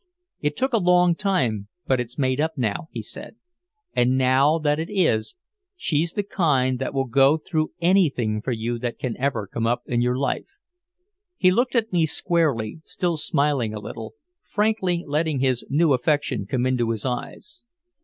"It took a long time, but it's made up now," he said. "And now that it is, she's the kind that will go through anything for you that can ever come up in your life." He looked at me squarely, still smiling a little, frankly letting his new affection come into his eyes.